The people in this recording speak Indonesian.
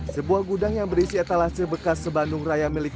sebuah gudang yang berisi etalase bekas sebandung raya milik